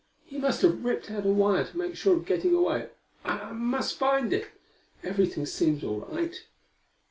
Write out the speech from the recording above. "He must have ripped out a wire to make sure of getting away. I I must find it. Everything seems all right."